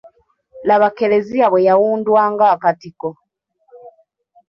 Laba kkereziya bwe yawundwa ng’akatiko.